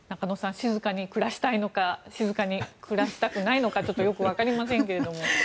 静かに暮らしたいのか静かに暮らしたくないのかよく分かりませんけど。